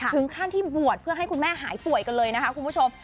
ถึงขั้นที่บวชเพื่อให้คุณแม่หายป่วยกันเลยนะคะคุณผู้ชม